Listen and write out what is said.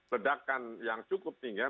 bedakan yang cukup tinggi